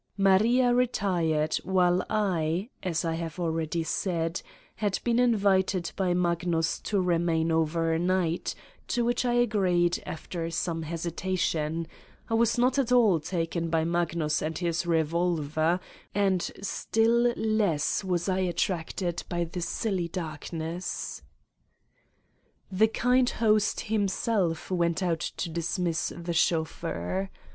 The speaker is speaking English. Maria retired, while I, as I have already said, had been invited by Magnus to remain overnight, to which I agreed, after some hesitation : I was not at all taken by Magnus and his revolver, and still less was I attracted by the silly darkness. 107 Satan's Diary The kind host himself went out to dismiss the chauffeur.